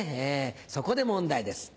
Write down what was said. そこで問題です。